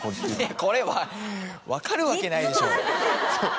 これ分かるわけないでしょ！